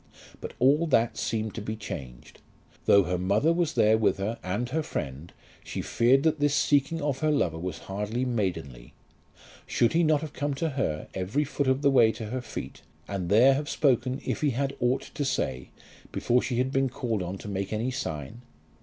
But all that seemed to be changed. Though her mother was there with her and her friend, she feared that this seeking of her lover was hardly maidenly. Should he not have come to her, every foot of the way to her feet, and there have spoken if he had aught to say, before she had been called on to make any sign?